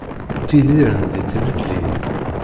Ttidiren di tlelli.